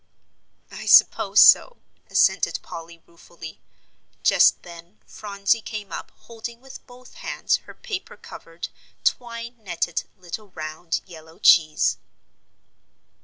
"I suppose so," assented Polly, ruefully. Just then Phronsie came up holding with both hands her paper covered, twine netted little round yellow cheese.